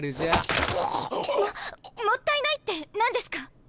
おごっ！ももったいないって何ですか！？